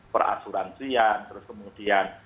perasuransian terus kemudian